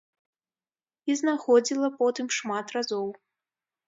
І знаходзіла потым шмат разоў.